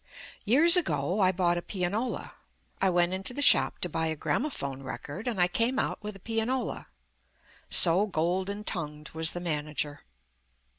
Years ago I bought a pianola. I went into the shop to buy a gramophone record, and I came out with a pianola so golden tongued was the manager.